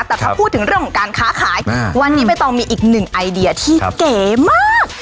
แต่ถ้าพูดถึงเรื่องของการค้าขายวันนี้ใบตองมีอีกหนึ่งไอเดียที่เก๋มาก